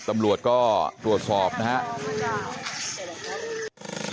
ตำรวจก็ตรวจสอบนะฮะ